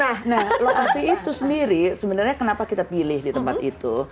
nah lokasi itu sendiri sebenarnya kenapa kita pilih di tempat itu